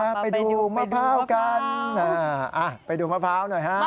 ปะปะไปดูไปดูมะพร้าวหน่อยครับมะพร้าวนี้นะคะเป็นมะพร้าวก้นสาวค่ะ